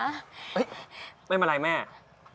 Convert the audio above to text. ไม่มีอะไรแม่เดี๋ยวฉันทำเองละ